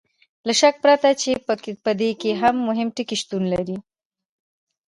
له شک پرته چې په دې کې مهم ټکي شتون لري.